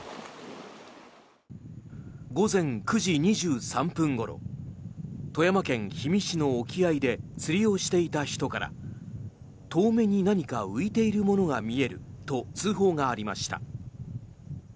午前９時２３分ごろ富山県氷見市の沖合で釣りをしていた人から遠目に、何か浮いているものが見えると通報がありました。